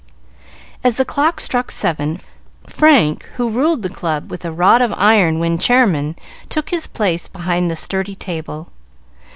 As the clock struck seven, Frank, who ruled the club with a rod of iron when Chairman, took his place behind the study table.